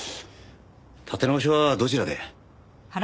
建て直しはどちらで？